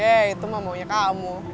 yeay itu mah maunya kamu